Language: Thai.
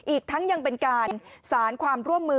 อีกทั้งยังเป็นการสารความร่วมมือ